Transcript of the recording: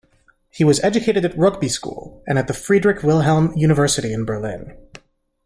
He was educated at Rugby School and at the Friedrich Wilhelm University in Berlin.